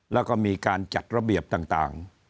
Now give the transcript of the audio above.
แล้วก็มีการจัดระเบียบต่าง